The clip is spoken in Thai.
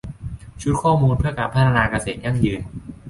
ชุดข้อมูลเพื่อการพัฒนาเกษตรยั่งยืน